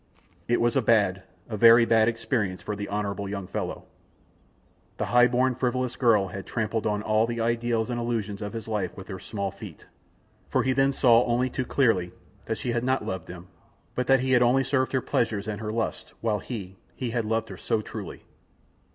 It was a bad, a very bad, experience for the honorable young fellow; the highborn, frivolous girl had trampled on all the ideals and illusions of his life with her small feet, for he then saw only too clearly, that she had not loved him, but that he had only served her pleasures and her lusts, while he, he had loved her so truly!